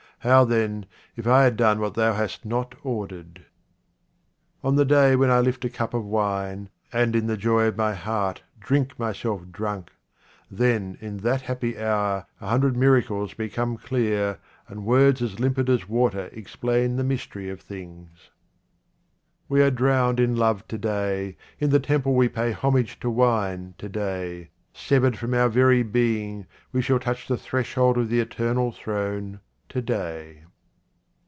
How, then, if I had done what Thou hast not ordered ? Ox the day when I lift a cup of wine, and in the joy of my heart drink myself drunk, then in that happy hour a hundred miracles become clear and words as limpid as water explain the mystery of things. 85 QUATRAINS OF OMAR KHAYYAM We are drowned in love to day, in the temple we pay homage to wine to day, severed from our very being we shall touch the threshold of the eternal throne to day.